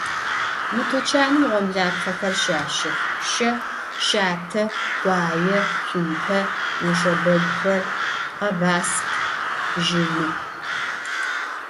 Mı tuçanım ğomlapxhexer şaşex: şe, şate, khuaê, tsumpe, neşşebeguxer, khebaskh, bjını.